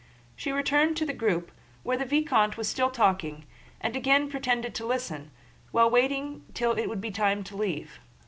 She returned to the group where the vicomte was still talking, and again pretended to listen, while waiting till it would be time to leave.